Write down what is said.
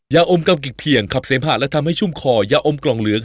ยาอมกำกิกเพียงขับเสมหะและทำให้ชุ่มคอยาอมกล่องเหลือง